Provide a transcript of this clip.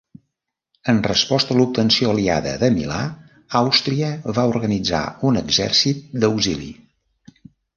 En resposta a l'obtenció aliada de Milà, Àustria va organitzar un exèrcit d'auxili.